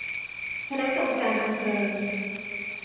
คณะกรรมการอำเภอ